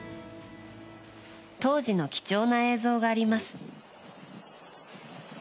当時の貴重な映像があります。